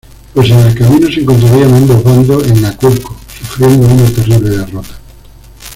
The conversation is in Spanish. Pues en el camino, se encontrarían ambos bandos en Aculco, sufriendo una terrible derrota.